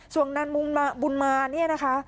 ส่วนนั้นบุญมานะคะ